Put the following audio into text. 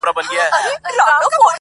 يو شاعر پرېږده په سجده چي څه شراب وڅيښي,